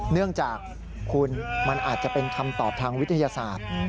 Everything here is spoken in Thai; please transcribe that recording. เนื่องจากคุณมันอาจจะเป็นคำตอบทางวิทยาศาสตร์